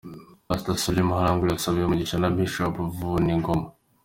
Pastor Solly Mahlangu yasabiwe umugisha na Bishop Vuningoma.